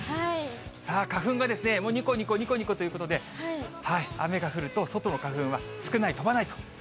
さあ、花粉がですね、もうにこにこにこにこということで、雨が降ると、外の花粉は少ない、飛ばないということで。